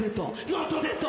ノットデッド。